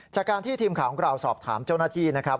จากการที่ทีมข่าวของเราสอบถามเจ้าหน้าที่นะครับ